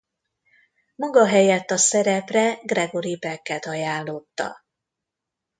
Maga helyett a szerepre Gregory Pecket ajánlotta.